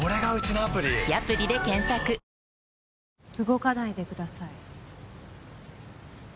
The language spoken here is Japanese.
動かないでください